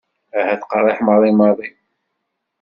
Ahat qerriḥ maḍi maḍi.